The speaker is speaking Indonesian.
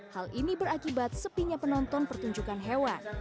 hal ini berakibat sepinya penonton pertunjukan hewan